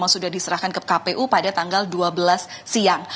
sudah diserahkan ke kpu pada tanggal dua belas siang